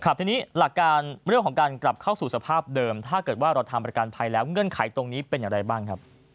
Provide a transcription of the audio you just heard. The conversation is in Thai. ทีนี้หลักการเรื่องของการกลับเข้าสู่สภาพเดิมถ้าเกิดว่าเราทำประกันภัยแล้วเงื่อนไขตรงนี้เป็นอย่างไรบ้างครับ